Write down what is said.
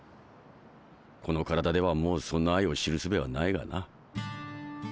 この体ではもうそんな愛を知るすべはないがな。